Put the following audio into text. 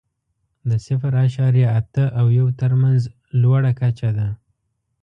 د صفر اعشاریه اته او یو تر مینځ لوړه کچه ده.